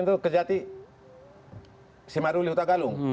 itu kejati si maruli hutagalung